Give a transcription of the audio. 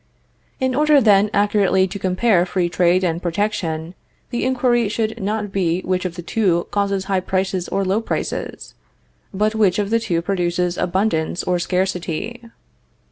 In order, then, accurately to compare free trade and protection the inquiry should not be which of the two causes high prices or low prices, but which of the two produces abundance or scarcity.